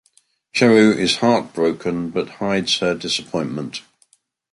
Charu is heartbroken but hides her disappointment.